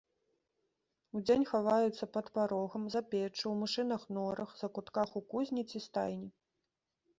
Удзень хаваюцца пад парогам, за печчу, у мышыных норах, закутках у кузні ці стайні.